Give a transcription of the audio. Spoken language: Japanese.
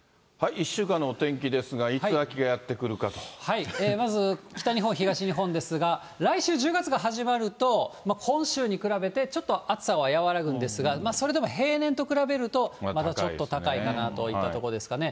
１週間のお天気ですが、まず、北日本、東日本ですが、来週、１０月が始まると、今週に比べて、ちょっと暑さは和らぐんですが、それでも平年と比べると、まだちょっと高いかなといったとこですかね。